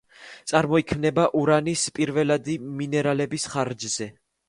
წარმოიქმნება ურანის პირველადი მინერალების ხარჯზე.